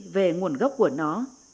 về nguồn gốc của nó